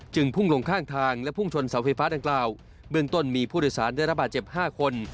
พุ่งลงข้างทางและพุ่งชนเสาไฟฟ้าดังกล่าวเบื้องต้นมีผู้โดยสารได้รับบาดเจ็บ๕คน